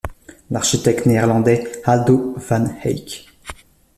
L'architecte néerlandais Aldo van Eyck.